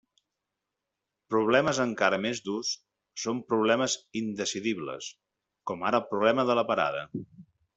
Problemes encara més durs són problemes indecidibles, com ara el problema de la parada.